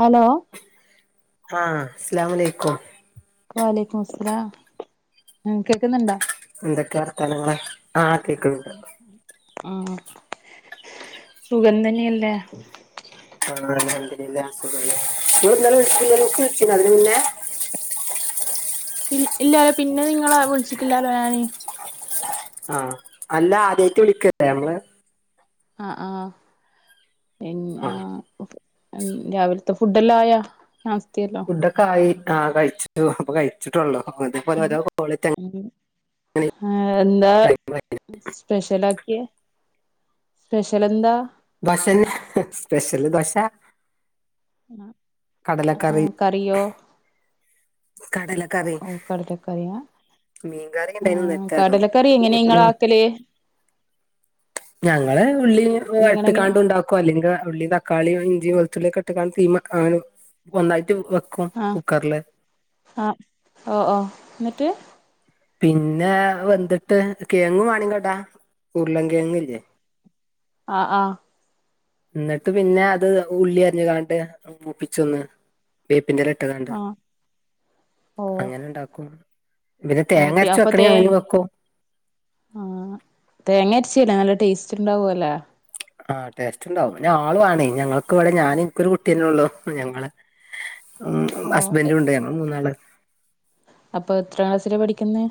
Hello ആഹ അസ്സലാമു അലൈകും വ അലൈകുമുസ്സലാം കേക്കുന്നുണ്ടോ എന്തൊക്കെ വർത്താനങ്ങളെ ആ കേക്കുന്നുണ്ട് ആ സുഖം തന്നെയല്ലേ അൽഹംദുലില്ലാഹ് സുഖം തന്നെ നിങ്ങൾ ഇന്നലെ വിളിച്ചിരുന്നൊ ഇങ്ങോട്ട് വിളിച്ചിരുന്നോ അതിന് മുന്നേ പി ഇല്ലല്ലേ പിന്നെ നിങ്ങള വിളിച്ചിട്ടില്ലാലോ ഞാന് ആഹ അല്ല ആദ്യമായിട്ട് വിളിക്കല്ലേ നമ്മള് ആഹ് ആഹ് പിന്നെ ആഹ് രാവിലത്തെ ഫുഡ് എല്ലാം ആയാ നാസ്തിയല്ല ഇതൊക്കെ ആയി ആ കഴിച്ചു അപ്പൊ കഴ [inaudible] സ്പെഷ്യൽ ആക്കിയ സ്പെഷ്യൽ എന്താ ദശന് സ്പെഷ്യല് ദോശ ആ ആഹ കടലക്കറി കറിയോ കടലക്കറി ഓ കടലക്കറിയ മീൻകറി ഇണ്ടായിന്നു ആഹ ഇന്നലത്തെ കടലക്കറി എങ്ങനെ ഇങ്ങള അതും ആക്കല് ഞങ്ങള് ഉള്ളി നിങ്ങളെങ്ങനെ ഇട്ടക്കാണ്ട് ഉണ്ടാക്ക ക്കോ അല്ലെങ്കില് ഉള്ളി, തക്കാളി, ഇഞ്ചി വെളത്തുള്ളിയൊക്കെ ഇട്ട്ക്കാണ്ട് തീമക്കാനും ഒന്നായിട്ട് ക്കും ആഹ് കുക്കർല് ആഹ് ഓഹ് ഓഹ് ഇന്നട്ട് പിന്നെ വെന്ത്‌ട്ട് കിയങ്ങ് വേണൻങ്കി ഇടാ ഉരുളൻ കിയങ്ങെ ആഹ് ആഹ് ഇന്നട്ട് പിന്നെ അത് ഉള്ളി അര്ഞ് കാണ്ട് മൂപ്പിച്ചൊന്ന് വേപ്പിന്റെല ഇട്ട്ക്കാണ്ട് ആഹ് ഓ അങ്ങനെണ്ടാക്കും പിന്നെ ആ പി തേങ്ങരച്ച് വെക്കണെങ്കി അങ്ങനിം വെക്കും ആഹ് തേങ്ങരിച്ചില്ലെ നല്ല ടേസ്റ്റ്ണ്ടാവുല്ലേ ആഹ് ടേസ്റ്റ്ണ്ടാവും പിന്നാള് വാണെ ഞങ്ങക്ക് ഇവടെ ഞാനും ഇൻക്കൊരു കുട്ടിയന്നെ ഒള്ളൂ ഞങ്ങള് ഉം ഓ ഹസ്ബന്റുണ്ട് ഞങ്ങള് മൂന്നാള് അപ്പ എത്രാ ക്ലാസ്സിലാ പഠിക്കുന്നേ?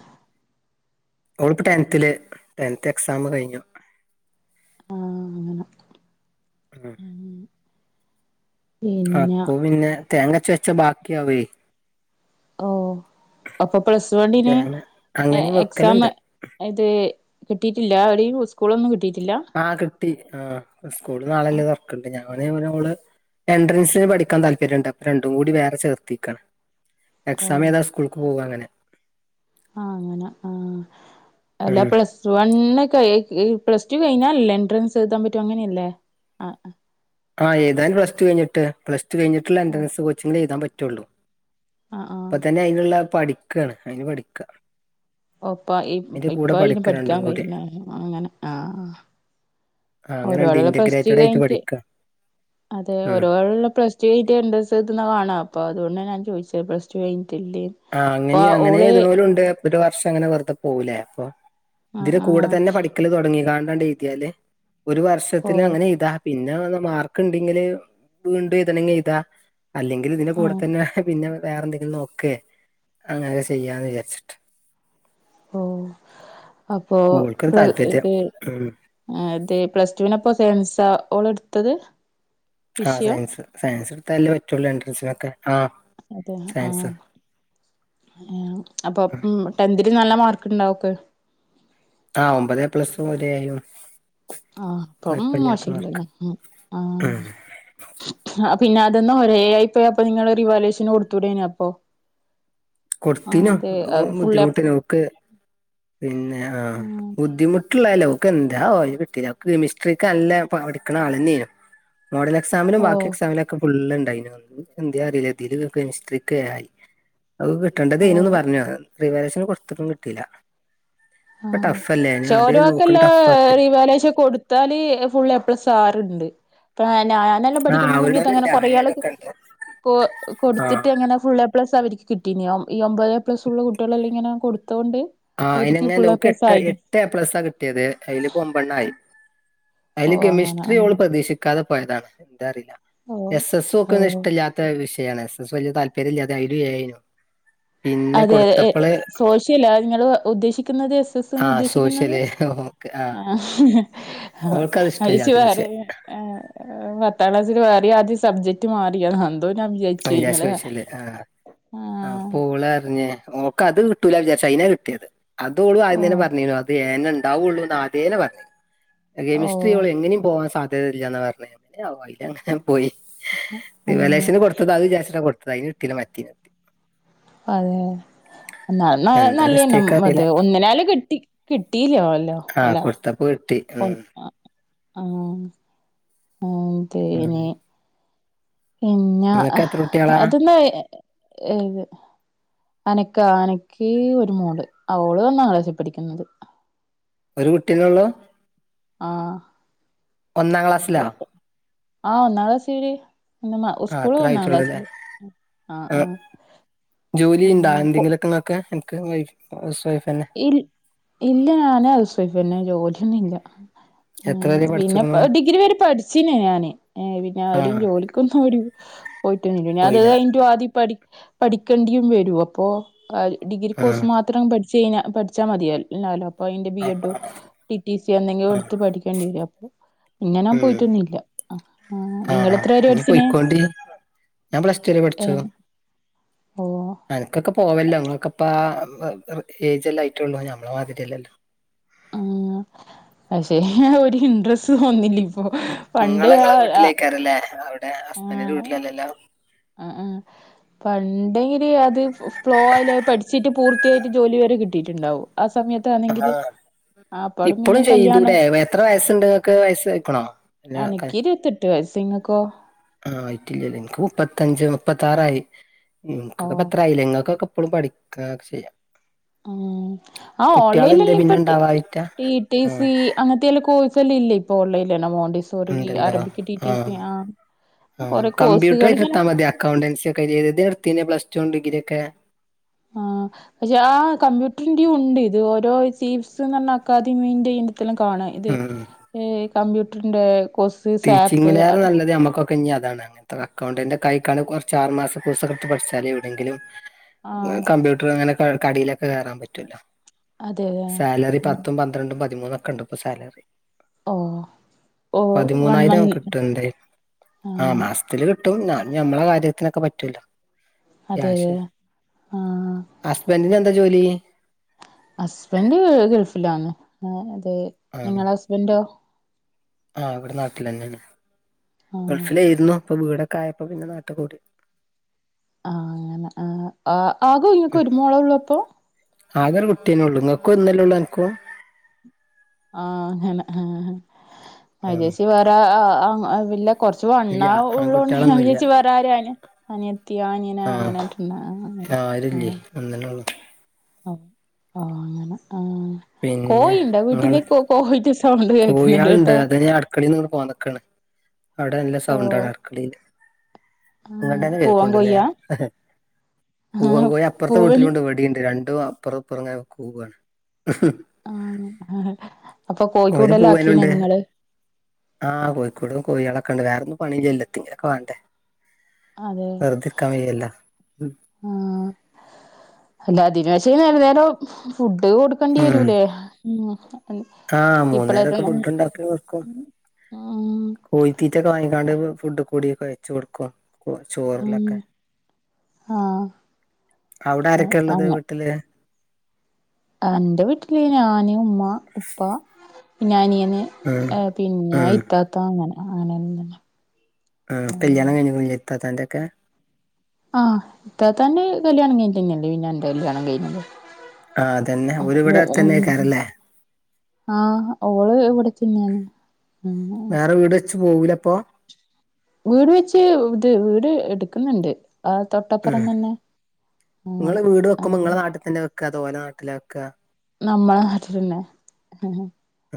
ഓള്പ്പോ ടെൻത്തില് ടെൻത്ത് എക്സാം കഴിഞ്ഞു ആഹ് അങ്ങന ആഹ് പിന്നെ അപ്പൊ പിന്നെ തേങ്ങരച്ച് വെച്ചാ ബാക്കിയാവേ ഓ അപ്പൊ പ്ലസ് വണ്ണിന് തേങ്ങ അങ്ങനെയും എക്സാം വെക്കലുണ്ട് ഇത് കിട്ടിട്ടില്ല എവിടിം സ്കൂളൊന്നും കിട്ടിട്ടില്ല? ആഹ് കിട്ടി ആഹ് സ്കൂള് നാളെല്ലേ തൊർക്ക്ണ്ട് ഞാന് [unintelligible] ഓള് എൻട്രൻസിന് പഠിക്കാൻ താല്പര്യണ്ട് അപ്പം രണ്ടും കൂടി വേറെ ചേർത്തെക്കാണ് ഓ എക്സാം എയ്താന് സ്കൂൾക്ക് പോവും അങ്ങനെ ആഹ് അങ്ങനെ ആഹ് അല്ലാ ഉം പ്ലസ് ടുവണ്ണ് കയ്യ് പ്ലസ്ടു കഴിഞ്ഞാലല്ലേ എൻട്രൻസി എഴുതാൻ പറ്റു അങ്ങനെല്ലേ ആഹ് ആഹ് എഴുതാൻ പ്ലസ്ടു കയിഞ്ഞിട്ട് പ്ലസ്ടു കഴിഞ്ഞിട്ടുള്ള ആ എൻട്രൻസ് കോച്ചിങ്നെ എഴുതാൻ പറ്റുള്ളൂ ആ ആ ഇപ്പ തന്നെ അയിന്ള്ള പഠിക്കാണ് അയിന് പഠിക്ക ഓപ്പ ഇ അതിന്റെ ഇപ്പ കൂടെ അയിന് പഠിക്ക രണ്ടും പഠിക്കാൻ കൂടി കയ്യ്നെ അങ്ങനെ ആഹ് ആ അങ്ങനെണ്ട് ഓരോടുള്ള പ്ലസ്ടു ഇന്റഗ്രേറ്റഡ് ആയിട്ട് കഴിഞ്ഞിട്ട് പഠിക്ക അതെ ഉം ഓരോടുള്ള പ്ലസ് റ്റെയ്ഞ്ഞിട്ടാ [unintelligible] അതോണ്ട ഞാൻ ചോയിച്ചത് പ്ലസ്ടു കഴിഞ്ഞട്ടില്ലേ ആഹ് അങ്ങനിം അങ്ങനെ എയുത്ണോലും ഇണ്ട് അപ്പ ഒരു വർഷം അങ്ങനെ വെറുതെ പോവൂലേ അപ്പം ആഹ് ഇതില് കൂടെ ആഹ് തന്നെ പഠിക്കല് തൊടങ്ങിക്കാണ്ടണ്ട് എയ്തിയാല് ഒരു ഓ വർഷത്തിലങ്ങനെ എയ്താ പി ന്നെ പർഞ്ഞാ മാർക്ക്ണ്ടെങ്കില് വീണ്ടും എയ്തേണെങ്കി എയ്താ അല്ലെങ്കിൽ ഇതിന്റെ കൂടെ ആഹ് തന്നെ പിന്നെ വേറെന്തെങ്കിലും നോക്കേ അങ്ങനെക്കെ ചെയ്യാന്ന് വിചാരിച്ചിട്ട് ഓഹ് അപ്പൊ ഓൾക്കൊരു താല്പര്യം ഉം [unintelligible] ആഹ് അതെ പ്ലസ്ടുന്പ്പോ സെയൻസാ ഓളെടുത്തത് ആഹ് സയൻസ് സയൻസ് ഇട്താലല്ലേ പറ്റുള്ളൂ എൻട്രൻസിനൊക്കെ ആഹ് അതെ ആഹ് സയൻസ് ആഹ് അപ്പം ഉം ടെൻതില് നല്ല മാർക്ക് ഇണ്ടാവോക്ക് ആഹ് ഒമ്പത് എപ്ലസ്സും ഒരെയും ആഹ് അപ്പം മോശല്ല്യന്ന് ഉം ആഹ് ആഹ് പിന്നെ അതൊന്ന് ഒരേയെയി പോയി അപ്പ നിങ്ങള് റിവാലെഷന് കൊടുത്തുടെന്യോ അപ്പം കൊടുത്തിനോ അത് ഫുള്ള് എ ബുദ്ധിമുട്ട് പ്ലസ് ഓക്ക് പിന്നെ ആഹ് ബുദ്ധി ക്ക്ള്ളല്ല ഓക്ക് എന്തേവോ അയ്ന് കിട്ടില്ല ഓക്ക് കെമിസ്ട്രിക്ക് നല്ലേ പഠിക്ക്ണെ ആളെന്നെയ്ന്നു മോഡലെ എക്സാമിലും ബാക്കി ഓഹ് എക്സാമിലൊക്കെ ഫുള്ള്ണ്ടയിന് എന്ത്യാറിയില്ല ഇതില് കെമിസ്ട്രിക്ക് ഏയ് അഹ് കിട്ടേണ്ടതെയ്ന്നുന്ന് ഓഹ് പർഞ്ഞു റിവേലെഷന് കൊട്ത്ത്ട്ടും കിട്ടില്ല ആഹ് നോക്കണ് ടഫ് ആക്കല് [unintelligible] താല് ഫുൾ എ പ്ലസ് ആരുണ്ട് പ്പനാനെല്ലാം ആഹ് പഠിക്കുന്ന സമയത്തങ്ങനെ ആവണോരുണ്ട് കൊറേ ആൾ ആയവരൊക്കെ ഉണ്ട് കൊ ആഹ് കൊടുത്തിട്ടങ്ങനെ ഫുൾ എ പ്ല പ്ലസ് അവർക്ക് കിട്ടീനോ ഈ ഒമ്പതേ എ പ്ലസ് ഒള്ള കുട്ടിളെല്ലാങ്ങനെ കൊടുത്തൊണ്ട് ആഹ് അയ്ന് അങ്ങല്ലാ ഓക്കെട്ട് എട്ട് എ പ്ലസാ കിട്ടിയത് അയില്പ ഒമ്പെണ്ണായി അയില് ഓഹ് അങ്ങനെ കെമിസ്ട്രി ഓള് ആഹ് പ്രതീക്ഷിക്കാതെ പോയതാണ് ന്താറിയില ഓഹ് എസ് എസ് ഓക്ക് ഓഹ് ഇഷ്ടല്ലാത്ത വിഷയാണ് എസ് എസ് വലിയ താല്പര്യല്ലാതെ അയിലു എ ആയിരുന്നു അതെഹ് ഏഹ് സോഷ്യലാ നിങ്ങള് ഉദ്ദേശി ക്ക്ന്നത് എസെസ്സ്ന്ന് ആ ഉദ്ദേശിക്കുന്നത് സോഷ്യല് ഓക്ക് ആ ആഹ് ഓൾക്കത് ഇഷ്ടല്ലാത്ത അഴിച്ചുവേറെ വിഷയം ആഹ് പത്താംക്ലാസില് വേറി ആദ്യ സബ്ജക്ട് മാറിയതാന്ന് [unintelligible] പഞ്ചായത്ത് ബേസില് ആഹ് ആഹ് അപ്പോളറിഞ് ഓ ക്കത് കിട്ടൂല വിചാരിച്ച അയിനാ കിട്ടിയത് അത് ഓള് ആദ്യ തന്നെ ഓഹ് പറഞെനു അത് എ എന്നെ ണ്ടാവുള്ളൂന്ന് ആദ്യേനെ പറഞ്ഞ്ണ് ഓഹ് കെമിസ്ട്രിയോള് എങ്ങനെയും പോവാൻ സാധ്യതയില്ലാന്നാ പറഞ്ഞെ എന്തെ ആവോ അയില് അങ്ങനെ പോയി റിവാലേഷന് ആഹ് കൊടുത്തത് അത് വിചാരിച്ചിട്ടാ കൊടുത്തത് അയിന് കിട്ടീല മറ്റെന് അതെ എന്ന എന്താ നല്ലതന്നെ മിസ്റ്റേക്ക് അത് അറിയില്ല ഒന്നിനാല് കിട്ടി കിട്ടിലോ ല്ലോ ആഹ് കൊടുത്തപ്പ കിട്ടി ഉം ആഹ് ഉം ആതെനി പിന്ന നിങ്ങക്ക് എഹ് എത്ര കുട്ടികളാ അതോന്ന് ഏത് അനക്കോ അനക്ക് ഒരു മോള് അവള് ഒന്നാം ക്ലാസ്സിൽ പഠിക്കുന്നത് ഒരു കുട്ടിന്നൊള്ളോ ആഹ് ഒന്നാം ക്ലാസ്സില ആഹ് ഒന്നാക്ലാസ്സില് ന്ന് മ ആ സ്കൂള്ല് അത്ര ഒന്നാക്ലാസ്സില് ആയിട്ടുള്ളൂല്ലേ ആഹ് ആഹ് ജോലി ഇണ്ടാ എന്തെങ്കിലൊക്കെ നിങ്ങക്ക് എനിക് വൈഫ് ഹൌസ് വൈഫ്‌ന് ഇൽ ഇല്ല ഞാന് ഹൌസ് വൈഫ്‌ തന്നെ ജോലിയൊന്നും ഇല്ല എത്ര ഉം വരെ പിന്നെ പഠിച്ച്ക്ക്ണു ഡിഗ്രി വരെ പഠിച്ചിന് ഞാന് ഏഹ് പിന്നെ ഒരു ആഹ് ജോലി ക്കൊന്നും ഒരു പോയിട്ടൊന്നില്ല ഞ അത് പോയില്ല കഴിഞ്ഞിട്ട് ആദ്യം പഠി പഠിക്കേണ്ടിയും വരോ അപ്പൊ ആഹ് ഡിഗ്രി കോഴ്സ് ആഹ് മാത്രം പഠിച്ചഴ്ഞാ പഠിച്ചാൽ മതിയാലാലോ അപ്പൊ അതിന്റെ ബി എഡും ടി ടി സി എന്തെങ്കിലും എടുത്ത് പഠിക്കേണ്ടി വരും അപ്പൊ പിന്നെ ഞാൻ ഉം പോയിട്ടൊന്നില്ല ആഹ് നിങ്ങള് ആഹ് എത്ര വരെ ഇനി പഠിച്ചിന് പോയിക്കോണ്ടി ഞാൻ പ്ലസ് ടു വരെ ടെൻ പഠിച്ചു ഓഹ് അനക്കൊക്കെ പോവല്ലോ ഇങ്ങളൊക്കെപ്പ ഏജ്ല്ലാം ആയിട്ടള്ളൂ ഞമ്മളെ മാതിരിയല്ലല്ലോ ആഹ് പക്ഷെ ഒരു ഇൻട്രസ്റ്റ് തോന്നില്ല ഇപ്പൊ ഇങ്ങള് നിങ്ങളെ വീട്ടിലേക്കാരല്ലേ അവിടെ ഹസ്ബന്റിന്റെ ആഹ് വീട്ടിലല്ലല്ലോ ആഹ് ഏഹ് പണ്ടെങ്കില് അത് ഫ്ലോ അയില് പഠിച്ചിട്ട് പൂർ ത്തിയായിട്ട് ജോലി വരെ കിട്ടിയിട്ടുണ്ടാവും ആ സമയത്താണെങ്കില് ആപ്പാടും ഇപ്പഴും പിന്നെ ചെയ്തൂടെ കല്യാണം എത്ര വയസുണ്ടണ്ട്ങ്ങക്ക് വയസ്സായ്ക്കണോ എല്ലാ ക അനക്ക് ഇരുപത്തെട്ട് വയസ്സ് ഇങ്ങക്കോ ആഹ് ആയിട്ടില്ലല്ലേ എനിക്ക് മുപ്പത്തഞ്ച് മുപ്പത്താറായി ഓ നിങ്ങക്കൊക്കെ പത്രായില്ലെ ഇങ്ങൾക്കൊക്കെ ഇപ്പളും പഠിക്കൊക്കെ ചെയ്യാം ആഹ് ആ ഓൺലൈൻല്ല ഇപ്പട്ട് പിന്നെണ്ടാവായിറ്റാ ടി ടി ആഹ് സി അങ്ങനെതേല് കോഴ്സെല്ലേ ഇല്ലെ ഇപ്പോ ഓൺലൈലെന്നെ [unintelligible] ‌ [unintelligible] ഇണ്ടല്ലോ അറബിക് ടി ടി സി ആഹ് ആ ആഹ് കൊറേ കോഴ്സുകൾ ഇങ്ങനെ കമ്പ്യൂട്ടറായിട്ട്ട്ത്താ മതി അക്കൗണ്ടൻസി ഒക്കെ എഴ്തേത് തെണ് എട്ത്തീനെ പ്ലസ് ടും ഡിഗ്രി ക്കെ ആഹ് പക്ഷെ ആ കമ്പ്യൂട്ടറിന്റിയും ഉണ്ട് ഇത് ഓരോ ചീഫ്സ്ന്ന് പറഞ്ഞ അക്കാദമിന്റെ ഈ ഇതെല്ലാം കാണാ ഇത് ഉം ഏ് കമ്പ്യൂട്ടറിന്റെ കോഴ്സ് സാപ്പ് ടീച്ചിങ്ങിലേറെ നല്ലത് നമ്മക്കാെക് പിന്നിം അതാണ് അങ്ങൻത്തെ അക്കൗണ്ടന്റൊക്കെ ആയിക്കാണ് കൊർച്ച് ആറ് മാസകോഴ്സൊക്കെ ഇട്ത്ത് പഠ്ച്ചാല് എവ്ടെങ്കിലും ആഹ് കമ്പ്യൂട്ടർ ഇങ്ങനെ ക കടീലൊക്കെ കേറാൻ പറ്റാെലോ അതെ അതെ സാലറി ഉം പത്തും പൻ ന്ത്രണ്ടും പതിമൂന്നൊക്ക ഇണ്ട് ഇപ്പോ സാലറി ഓഹ് ഓഹ് വൺ പതിമൂന്നായിരം മന്ത് കിട്ട്ണ്ടേ ആ ആഹ് മാസം ത്ത്ല് കിട്ടും ഞം ഞമ്മളെ കാര്യത്തിനൊക്കെ പറ്റാെല്ലോ അതെതെ ആഹ് ഹസ്ബന്റിന് എന്താ ജോലി ഹസ്ബന്റ് ഗൾ ഗൾഫിലാണ് ആഹ് അത് ആഹ് നിങ്ങളെ ഹസ്ബന്റോ ആഹ് ഇവടെ നാട്ടിലെന്നേണ് ആഹ് ഗൾഫിലെയ്രുന്നു ഇപ്പൊ വീടൊക്കെ ആയപ്പോ പിന്നെ നാട്ട്കൂടി ആഹ് അങ്ങനെ ആഹ് ആ ആകെ ഇങ്ങക്ക് ഒരു മോള് ഒള്ളൂ അപ്പോ ആകെ ഒരു കുട്ടിയെന്നെ ഒള്ളൂ ഇങ്ങക്കും ഒന്നല്ലെള്ളൂ അൻക്കും ആഹ് അങ്ങനെ ആഹ് ആഹ് അഹ്ജേച്ച് വേറെ [unintelligible] കൊർച്ചു വണ്ണ ഇല്ല ഉള്ളാേണ്ട് ഞാൻ ആൺകുട്ടികളൊന്നുംല്ല വിചാര്ച്ച് വേറെ ആര്ആന അനിയത്തിയോ അനിയനാേ അങ്ങനെട്ടംണ്ടോ ആങ്ങളമാര് ആഹ് ഒന്നഞൊള്ളൂ ആഹ് അങ്ങനെ ആഹ് പിന്നെ കോഴിണ്ടോ ഇങ്ങള് വീട്ടില് കോ കോഴിൻ്റെ സൗണ്ട് കേക്ക്ന്ന്ണ്ട് ട്ടാ അട്ക്കളീന്ന്ന്ന് പോന്നക്കാണ് അവ്ടെ നല്ല ഓഹ് സൗണ്ടാണ് അക്കളീല് ആഹ് ഇങ്ങട്ടെന്നെ പൂവൻ കേക്കുണ്ട് ല്ലേ കോഴിയാ പൂവൻ ആഹ് കോഴി അപ്പർത്തെ പൂവന് വീട്ടിലുണ്ട് ഇവടിംണ്ട് രണ്ടും അപ്പറംഇപ്പറം ഇങ്ങനെ കൂവാണ് ആഹ് അപ്പൊ ഒരു കോയിക്കൂടെല്ലാ ആക്കീനോ പൂവനുണ്ട് നിങ്ങള് ആഹ് കോഴിക്കൂടും കോഴാളൊക്കെണ്ട് വേറൊന്നും പണില്ലലോ എത്തിങ്കിലൊക്കെ വാണ്ടേ അതെ വയ്യല്ലോ ആഹ് അല്ലാ ഇതിന് പക്ഷേ വേറെ വേറോ ഫുഡ് കൊട് ഉം ക്കണ്ട്യരൂല്ലേ അന് ആഹ് മൂന്നേരൊക്കെ ഇപ്പളക്കെയേ ഫുഡ് ഉണ്ടാക്കി കൊടുക്കും ആഹ് കോഴിത്തീറ്റൊക്കെ വാങ്ങിങാണ്ട് ഫു ഫുഡ് കൂടി കൊയച്ച് കൊടുക്കും ഉം കൊർച്ചോറിലൊക്കെ ആഹ് അവ്ടെ ആരെക്കെള്ളത് വീട്ട്ല് അൻ്റെ വീട്ടില് ഞാന് ഉമ്മ ഉപ്പ പിന്നഅനിയന് ഉം ഏ് പിന്നെ ഉം ഇത്താത്ത അങ്ങനെ ആനന്നെ ആഹ് കല്യാണം കഴിഞ്ഞിക്ണ് ല്ലേ ഇത്താത്തൻ്റെക്കെ ആഹ് ഇത്താത്താൻ്റെ കല്യാണം കഴിഞ്ഞിട്ടെന്ന്യാ പിന്നെ എന്റെ കല്യാണം കഴിഞ്ഞത് ആഹ് അതന്നെ ഓര് ഇവടെ അടുത്തന്യാക്കാരല്ലേ ആഹ് ഓള് ഇവട്തന്നേണ് വേറെ വീട് വെച്ച് പോവൂലപ്പോ വീട് വെച്ച് ഇത് വീട് എട്ക്കുന്നുണ്ട് ആഹ് തൊട്ടപ്പറം തന്നെ അങ്ങനെ ങ്ങള് വീട് വെക്കുമ്പോ അങ്ങനെ ങ്ങളെ നാട്ട് തന്നെ വെക്കാ അതോ ഓലെ നാട്ടിലാ വെക്കാ നമ്മള നാട്ടിലന്നെ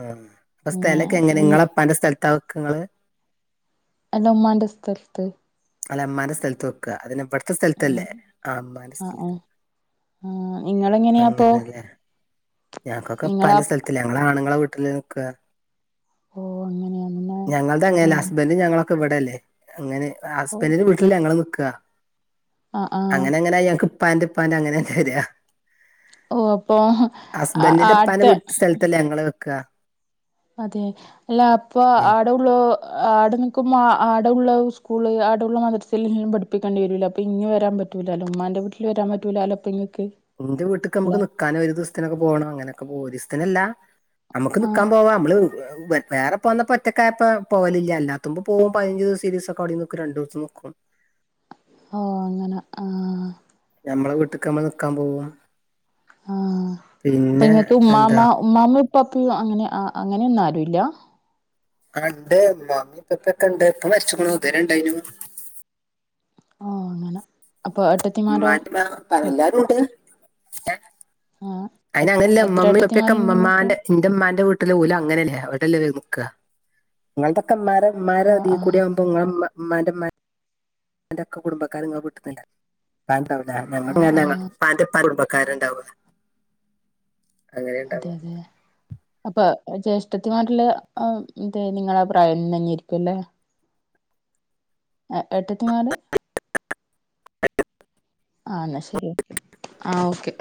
ആഹ് അപ്പ സ്ഥലക്കെങ്ങനാ നിങ്ങളെപ്പാന്റെ സ്ഥൽത്താ വെക്കാ ഇങ്ങള് അല്ല ഇമ്മാൻ്റെ സ്ഥൽത്ത് ങ്ങളെ മ്മാന്റെ സ്ഥലത്ത് വെക്ക അതിന് വടത്തെ ആ സ്ഥലത്തല്ലേ ആഹ് മ്മാന്റെ സ്ഥലത്ത് ആഹ് ഇങ്ങളെങ്ങനെയാപ്പൊ അങ്ങനെല്ലേ ഞങ്ങക്കൊക്കെ ഉപ്പാൻ്റെ സ്ഥലത്ത് ഞങ്ങളെ ആണുങ്ങളെ വീട്ടില നിക്ക ഓ അങ്ങനെയാണല്ലേ ഞങ്ങൾടെ ആ അങ്ങനല്ല ഹസ്ബൻഡും ഞങ്ങളൊക്കെ വടല്ലേ അങ്ങനെ ഓ ഹസ്ബൻൻ്റ് ഞങ്ങള് നിക്കാ ആ ആ അങ്ങനെ അങ്ങനായി ഞങ്ങക്ക് പ്പാൻ്റെ പ്പാൻ്റെ അങ്ങനെങ്ങെനേ വരാ ഓഹ് അപ്പൊ ആ ഹസ്ബൻഡൻ്റ്ന്റെ അടുത്ത പ്പാൻ്റെ വീട്ട് സ്ഥലത്തല്ലേ ഞങ്ങള് വെക്ക അതെ അല്ല അപ്പൊ ആഹ് അവടള്ളോ ആടെ നിക്കുംമ്പോ ആടെ ഉള്ളോ സ്കൂള് ആടെുള്ള മദ്രസെലു എല്ലാം പ്പ ക്കേണ്ടി വരൂല്ല അപ്പൊ ഇഞ്ഞി വരാൻ പറ്റൂലല്ലോ ഉ്മാന്റെ വീട്ടില് വരാൻ പറ്റൂലലോ അപ്പൊങ്ങക്ക് ന്റെ വീട്ടുക്ക് നമ്മുക്ക് നിക്കാനും ഒരു ദിവസത്തിനൊക്കെ പോണം അങ്ങനെയൊക്കെ പോം ഒരിസത്തിനല്ല നമ്മക്ക് ആ നിക്കാൻ പോവാം നമ്മള് വേറെ പോന്നപ്പൊ ഒറ്റക്കായപ്പോ പോവലില്ലല്ലാത്തുമ്പൊ പോം പയിനഞ്ചീസം ഇരവിസം ഒക്കെവടേം നിക്കും രണ്ടോടത്തും നിക്കും ഓഹ് അങ്ങനെ ആഹ് ഞമ്മളെ വീട്ടിക്ക് ഞമ്മള് നിക്കാൻ പോവും ആഹ് അപ്പൊ പിന്നെ ഇങ്ങക്ക് എന്താ ഉമ്മാമ്മ ഉമ്മാമ്മ ഉപ്പാപ്പും അങ്ങനെ അങ്ങനെയൊന്നും ആരുല്ല ആണ്ട് മ്മാമ്മപ്പപ്പൊക്കെ ഇണ്ട് എപ്പ മരിച്ചുക്കുണ് തുവരെ ഇണ്ടായിനു ഓഹ് അങ്ങനെ അപ്പൊ [unintelligible] ഏട്ടത്തിമാരോ ആഹ് അയിന് അങ്ങനല്ല എത്ര മ്മമ്മയും പ്പയൊക്കെ ഏട്ടത്തിമാരുണ്ട് ഇങ്ങക്ക് മ്മമ്മാൻ്റെ ന്റെ്മ്മാൻ്റെ വീട്ടില് ഓല് അങ്ങനല്ലേ അവടല്ലേ നിക്ക നിങ്ങളതൊക്കെ മര മര ആഹ് തീ ആഹ് കൂടിയകുമ്പോ നിങ്ങടെ ഉമ്മാന്റെ ഉമ്മ എന്റെ ഒക്കെ കുടുംബക്കാരെ ഇങ്ങളെ കിട്ടുന്നില്ല ആഹ് [unintelligible] ആഹ് പ്പാന്റെ പ്പാൻ കുടുംബക്കാറണ്ടാവില്ല അതെ അതെ അപ്പൊ ജ്യേഷ്ഠത്തിമാരില് അ ന്തെ നിങ്ങള പ്രായം തന്നെയിരിക്കുംല്ലേ എ ഏട്ടത്തി മാര് ആഹ് എന്നാ ശരി ഓക്കെ ആഹ് ഓക്കെ